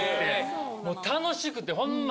楽しくてホンマ